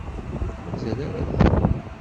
Ur k-mazal ara da.